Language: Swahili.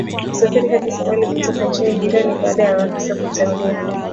kusafiri hadi Somalia kutoka nchi jirani baada ya maafisa kutengua